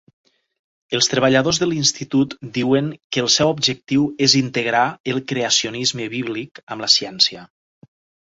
Els treballadors de l'institut diuen que el seu objectiu és integrar el creacionisme bíblic amb la ciència.